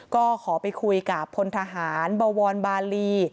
ก็ขอไปคุยกับพลทหารบวรบาลี